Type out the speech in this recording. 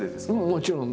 もちろん。